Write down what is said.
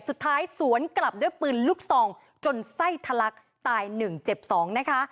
สุดท้ายสวนกลับด้วยปืนลุกซองจนไส้ทะลักตายหนึ่งเจ็บสองนะคะ